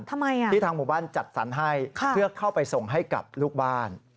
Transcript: ที่ทางหมู่บ้านจัดสรรให้เพื่อเข้าไปส่งให้กับลูกบ้าน